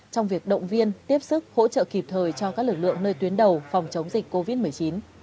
trong việc động viên tiếp sức hỗ trợ kịp thời cho các lực lượng nơi tuyến đầu phòng chống dịch covid một mươi chín